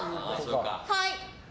はい。